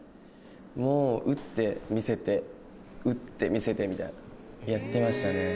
もう打って見せて打って見せてみたいなやってましたね。